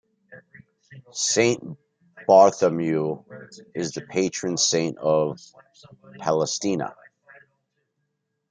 Saint Bartholomew is the patron saint of Palestina.